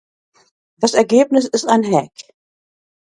Das Ergebnis ist ein Hack.